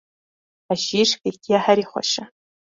Hejîr fêkiya herî xweş e.